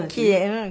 うん。